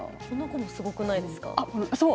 この子もすごくないですか？